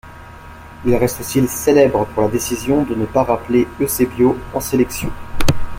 Il reste aussi célèbre pour la décision de ne pas rappeler Eusébio, en sélection.